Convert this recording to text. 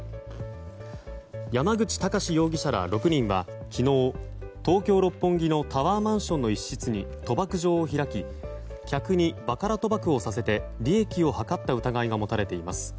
山口隆士容疑者ら６人は昨日東京・六本木のタワーマンションの一室に賭博場を開き客にバカラ賭博をさせて利益を図った疑いが持たれています。